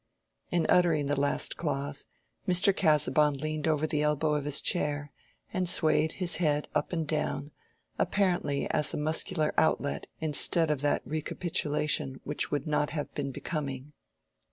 In uttering the last clause, Mr. Casaubon leaned over the elbow of his chair, and swayed his head up and down, apparently as a muscular outlet instead of that recapitulation which would not have been becoming.